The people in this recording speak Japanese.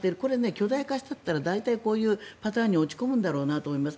巨大化すると大体、こういうパターンに陥るんだろうなと思います。